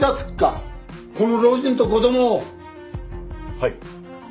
はい。